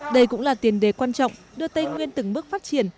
đây cũng là tiền đề quan trọng đưa tây nguyên từng bước phát triển